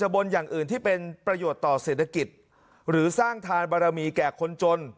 บนอย่างอื่นที่เป็นประโยชน์ต่อเศรษฐกิจหรือสร้างทานบารมีแก่คนจน